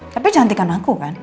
tapi cantik kan aku kan